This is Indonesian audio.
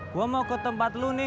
gue mau ke tempat lo nih